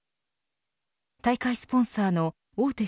大会スポンサーの大手